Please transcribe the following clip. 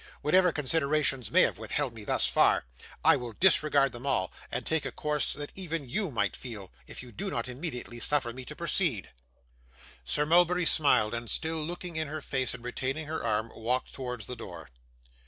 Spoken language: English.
Whatever considerations may have withheld me thus far, I will disregard them all, and take a course that even YOU might feel, if you do not immediately suffer me to proceed.' Sir Mulberry smiled, and still looking in her face and retaining her arm, walked towards the door.